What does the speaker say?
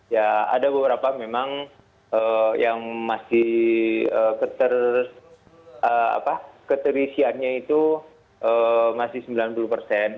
ya ada beberapa memang yang masih keterisiannya itu masih sembilan puluh persen